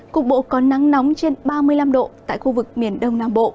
cục bộ có nắng nóng trên ba mươi năm độ